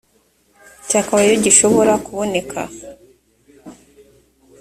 cyakabaye iyo gishobora kuboneka